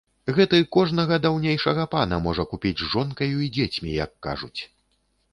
Гэты кожнага даўнейшага пана можа купіць з жонкаю і дзецьмі, як кажуць.